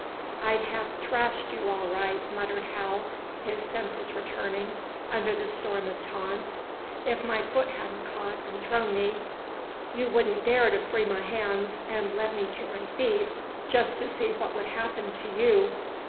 "I'd have thrashed you all right," muttered Hal, his senses returning under the storm of taunts, "if my foot hadn't caught and thrown me. You wouldn't dare to free my hands and let me to my feet, just to see what would happen to you!